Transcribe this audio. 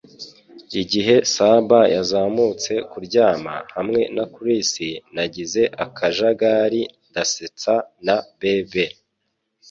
Igihe SB yazamutse kuryama hamwe na Chris, nagize akajagari ndasetsa na BB.